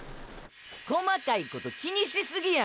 細かいこと気にしすぎや。